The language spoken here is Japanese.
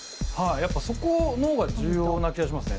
やっぱそこの方が重要な気がしますね。